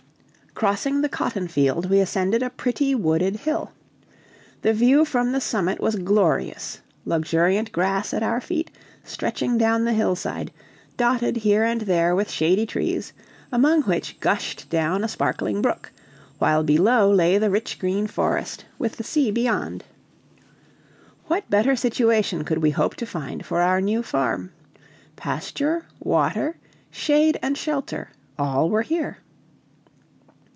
Crossing the cotton field we ascended a pretty wooded hill. The view from the summit was glorious: luxuriant grass at our feet stretching down the hillside, dotted here and there with shady trees, among which gushed down a sparkling brook, while below lay the rich green forest, with the sea beyond. What better situation could we hope to find for our new farm? Pasture, water, shade, and shelter, all were here.